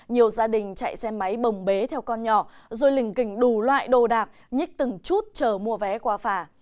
nhiều gia đình chạy xe máy bồng bế theo con nhỏ rồi lình kình đủ loại đồ đạc nhích từng chút chờ mua vé qua phà